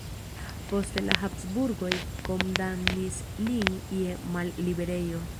Poste la Habsburgoj kondamnis lin je malliberejo.